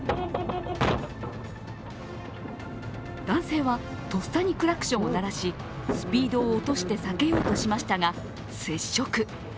男性はとっさにクラクションを鳴らしスピードを落として避けようとしましたが、接触。